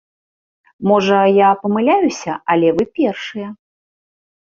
Можа, я памыляюся, але вы першыя.